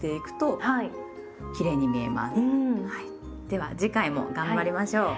では次回も頑張りましょう。